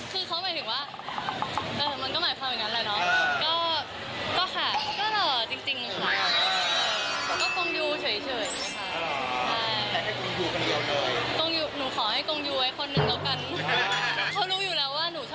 คือเขาเหมือนถึงว่าแต่มันก็เหมือนกันแล้วเนอะแกก็ค่ะก็เหรอจริงค่ะ